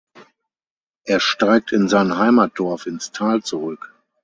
Er steigt in sein Heimatdorf ins Tal zurück.